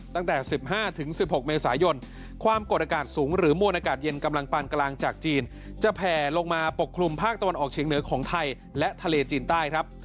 ตั้งแต่๑๕๑๖เมษายนความกดอากาศสูงหรือมวลอากาศเย็นกำลังปานกลางจากจีนจะแผ่ลงมาปกคลุมภาคตะวันออกเฉียงเหนือของไทยและทะเลจีนใต้ครับ